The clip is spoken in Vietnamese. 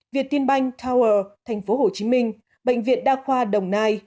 việt tiên banh tower thành phố hồ chí minh bệnh viện đa khoa đồng nai